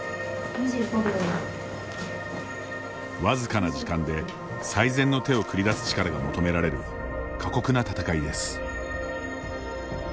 僅かな時間で、最善の手を繰り出す力が求められる過酷な戦いです。